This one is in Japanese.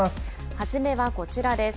はじめはこちらです。